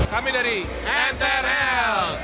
kami dari ntrl